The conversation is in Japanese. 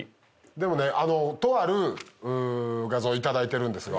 でもねとある画像頂いてるんですが。